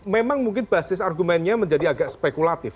memang mungkin basis argumennya menjadi agak spekulatif